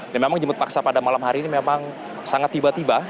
dan memang jemput paksa pada malam hari ini memang sangat tiba tiba